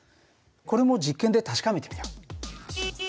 これも実験で確かめてみよう。